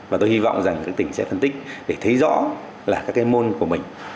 và tôi hy vọng rằng các tỉnh sẽ phân tích để thấy rõ là các cái môn của mình